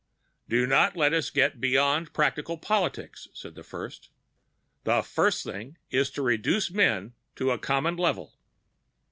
"Do not let us get beyond practical politics," said the first. "The first thing is to reduce men to a common level."